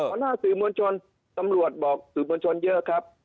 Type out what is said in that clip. ต่อหน้าสื่อบนชนสำรวจบอกสื่อบนชนเยอะครับ